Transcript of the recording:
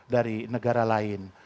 dari negara lain